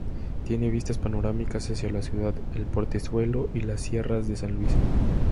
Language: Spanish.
Tiene vistas panorámicas hacia la ciudad, el Portezuelo y las sierras de San Luis.